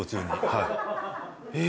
はい。